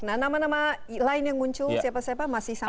nah nama nama lain yang muncul siapa siapa masih sama